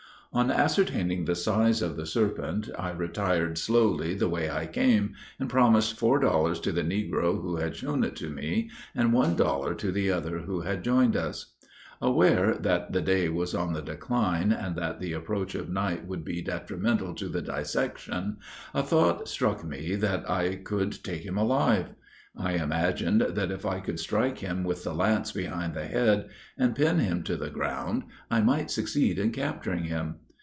On ascertaining the size of the serpent, I retired slowly the way I came, and promised four dollars to the negro who had shown it to me, and one dollar to the other who had joined us. Aware that the day was on the decline, and that the approach of night would be detrimental to the dissection, a thought struck me that I could take him alive. I imagined that if I could strike him with the lance behind the head, and pin him to the ground, I might succeed in capturing him.